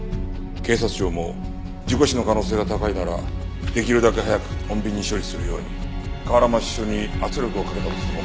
警察庁も事故死の可能性が高いならできるだけ早く穏便に処理するように河原町署に圧力をかけたとしてもおかしくない。